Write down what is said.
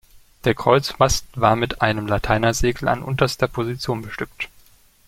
Der Kreuzmast war mit einem Lateinersegel an unterster Position bestückt.